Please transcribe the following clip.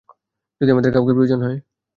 যদি আমাদের কাউকে প্রয়োজন হয়?